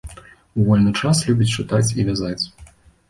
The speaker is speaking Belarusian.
У вольны час любіць чытаць і вязаць.